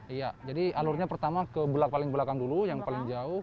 iya jadi alurnya pertama ke belak paling belakang dulu yang paling jauh